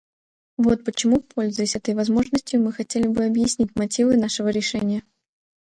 Вот почему, пользуясь этой возможностью, мы хотели бы объяснить мотивы нашего решения.